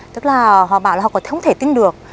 tức là họ bảo là họ không thể tin được